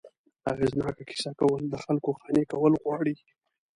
اغېزناکه کیسه کول، د خلکو قانع کول غواړي.